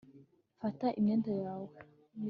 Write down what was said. Fata imyenda yawe